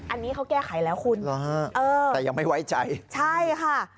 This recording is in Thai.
อันนี้เขาแก้ไขแล้วคุณแต่ยังไม่ไว้ใจใช่ค่ะ